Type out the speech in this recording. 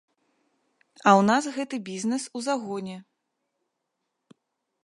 А ў нас гэты бізнес у загоне.